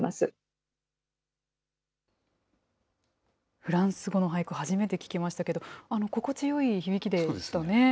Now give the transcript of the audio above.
フランス語の俳句、初めて聞きましたけど、心地よい響きでしたね。